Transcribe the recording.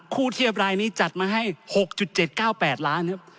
เทียบรายนี้จัดมาให้๖๗๙๘ล้านครับ